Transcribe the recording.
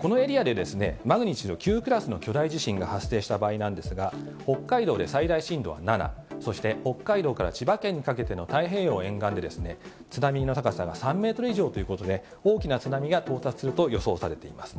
このエリアで、マグニチュード９クラスの巨大地震が発生した場合なんですが、北海道で最大震度は７、そして北海道から千葉県にかけての太平洋沿岸で、津波の高さが３メートル以上ということで、大きな津波が到達すると予想されています。